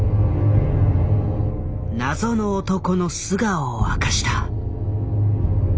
謎の男の素顔を明かした。